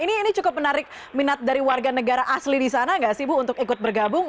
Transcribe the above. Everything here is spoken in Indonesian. ini cukup menarik minat dari warga negara asli di sana nggak sih bu untuk ikut bergabung